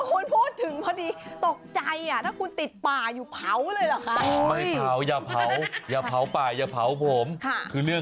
คุณชนะเข้าป่ามาแล้ว